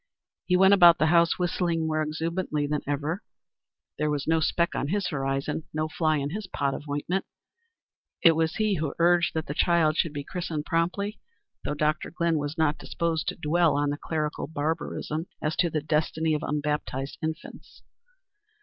He went about the house whistling more exuberantly than ever. There was no speck on his horizon; no fly in his pot of ointment. It was he who urged that the child should be christened promptly, though Dr. Glynn was not disposed to dwell on the clerical barbarism as to the destiny of unbaptized infants.